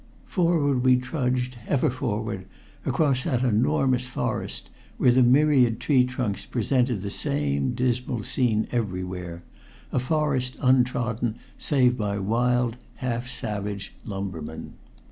Forward we trudged, ever forward, across that enormous forest where the myriad treetrunks presented the same dismal scene everywhere, a forest untrodden save by wild, half savage lumbermen.